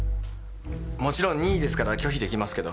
もちろん任意ですから拒否出来ますけど。